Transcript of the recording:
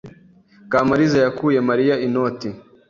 Kamariza yakuye Mariya inoti.